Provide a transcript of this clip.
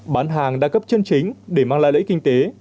bán hàng đa cấp chân chính để mang lại lợi ích kinh tế